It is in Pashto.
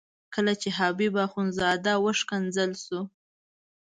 کله چې حبیب اخندزاده وښکنځل شو.